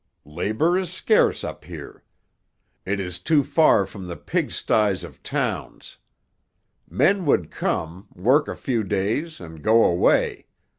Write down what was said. Labour is scarce up here. It is too far from the pigsties of towns. Men would come, work a few days, and go away.